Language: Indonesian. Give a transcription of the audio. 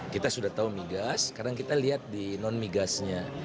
kita sudah tahu migas sekarang kita lihat di non migasnya